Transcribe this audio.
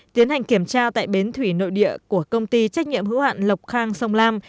tiến hành kiểm tra tại bến thủy nội địa của công ty trách nhiệm hữu hạn lộc khang sông lam